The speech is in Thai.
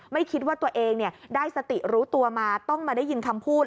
ไม่คิดว่าตัวเองได้สติรู้ตัวมาต้องมาได้ยินคำพูด